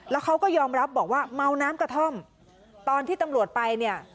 แล้วเขาก็ยอมรับบอกว่าเมาน้ำกระท่อมตอนที่ตำรวจไปเนี่ย